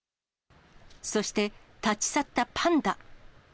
そして立ち去ったパンダ。